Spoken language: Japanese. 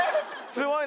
すごい。